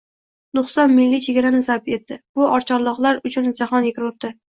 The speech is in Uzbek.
to‘qson milli chegarani zabt etdi. Bu oqcharloqlar uchun jahon rekordi!